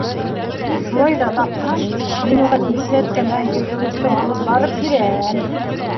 Шулай ҙа, тапһам, мин уға бирсәткә менән елпеүесте алып барып бирәм!